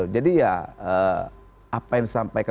jadi ya apa yang disampaikan